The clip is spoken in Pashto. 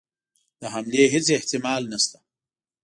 د حملې هیڅ احتمال نسته.